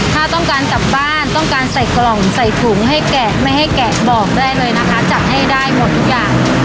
ถ้าต้องการกลับบ้านต้องการใส่กล่องใส่ถุงให้แกะไม่ให้แกะบอกได้เลยนะคะจัดให้ได้หมดทุกอย่าง